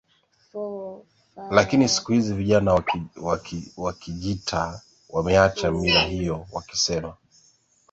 Lakini siku hizi vijana wa Kijita wameacha mila hiyo wakisema